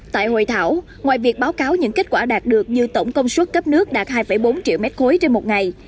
tại hội thảo ngoài việc báo cáo những kết quả đạt được như tổng công suất cấp nước đạt hai bốn triệu m ba trên một ngày